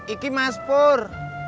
ini mas pur